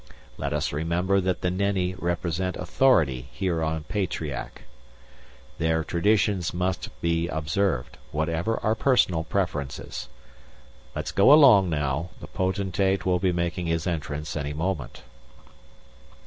Let us remember that the Nenni represent authority here on Petreac. Their traditions must be observed, whatever our personal preferences. Let's go along now. The Potentate will be making his entrance any moment."